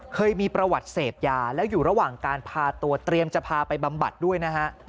เคยมีประวัติเสพยาแล้วอยู่ระหว่างการพาตัวเตรียมจะพาไปบำบัดด้วยนะฮะ